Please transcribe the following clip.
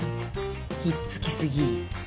ひっつき過ぎ。